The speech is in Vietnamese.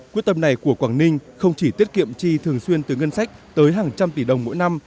quyết tâm này của quảng ninh không chỉ tiết kiệm chi thường xuyên từ ngân sách tới hàng trăm tỷ đồng mỗi năm